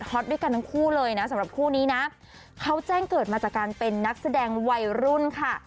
ก็แจ้งเกิดมาจากการเป็นนักแสดงวัยรุ่นค่ะ